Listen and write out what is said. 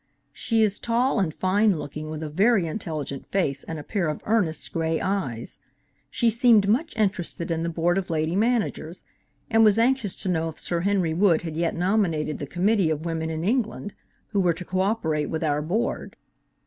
"She is tall and fine looking, with a very intelligent face and a pair of earnest gray eyes. She seemed much interested in the Board of Lady Managers, and was anxious to know if Sir Henry Wood had yet nominated the committee of women in England, who were to co operate with our Board.